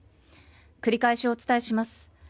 繰り返し、お伝えします。